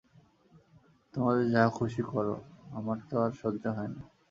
তোমাদের যাহা খুশি করো, আমার তো আর সহ্য হয় না।